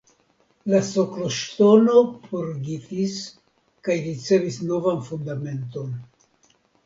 La sokloŝtono purigitis kaj ricevis novan fundamenton.